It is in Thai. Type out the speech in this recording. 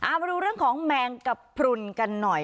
เอามาดูเรื่องของแมงกระพรุนกันหน่อย